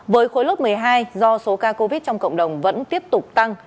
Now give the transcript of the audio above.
với khối lớp một mươi hai do số ca covid trong cộng đồng vẫn tiếp tục tăng